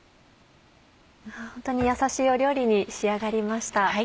ホントにやさしい料理に仕上がりました。